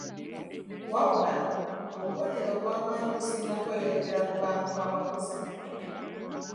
Wabula, obubonero obw'amaanyi businga kweyolekera mu bantu abakuze.